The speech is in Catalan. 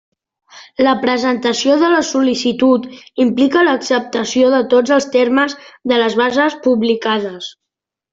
La presentació de la sol·licitud implica l'acceptació de tots els termes de les bases publicades.